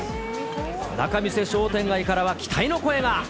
仲見世商店街からは期待の声が。